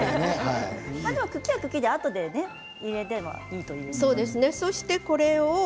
茎は茎であとで入れてもいいということですね。